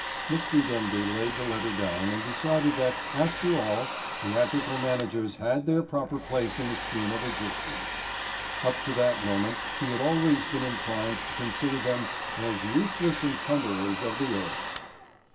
Mr. Denby laid the letter down and decided that, after all, theatrical managers had their proper place in the scheme of existence. Up to that moment he had always been inclined to consider them as useless encumberers of the earth.